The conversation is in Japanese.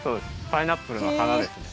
パイナップルのはなですね。